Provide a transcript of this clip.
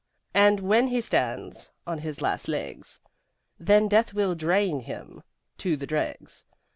And when he stands On his last legs Then Death will drain him To the dregs.